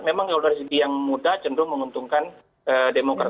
memang kalau dari segi yang muda cenderung menguntungkan demokrat